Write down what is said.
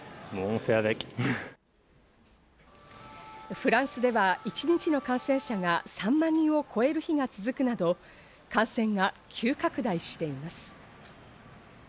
フランスでは一日の感染者が３万人を超える日が続くなど、感染が急拡大しています。